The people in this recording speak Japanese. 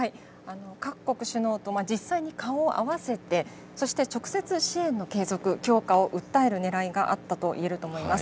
各国首脳と実際に顔を合わせて、そして直接、支援の継続、強化を訴えるねらいがあったといえると思います。